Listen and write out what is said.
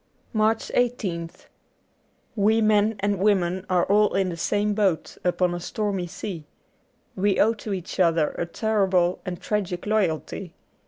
'' 83 MARCH 1 8th WE men and women are all in the same boat, upon a stormy sea. We owe to each other a terrible and tragic loj'alty.